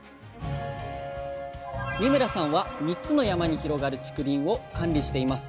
三村さんは３つの山に広がる竹林を管理しています。